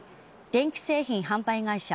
電気製品販売会社